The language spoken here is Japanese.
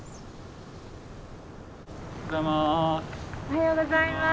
おはようございます。